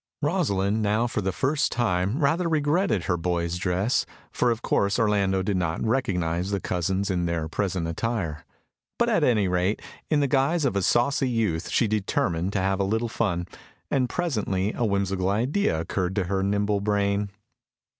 Rosalind now for the first time rather regretted her boy's dress, for, of course, Orlando did not recognise the cousins in their present attire. But, at any rate, in the guise of a saucy youth she determined to have a little fun, and presently a whimsical idea occurred to her nimble brain.